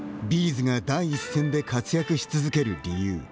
’ｚが第一線で活躍し続ける理由。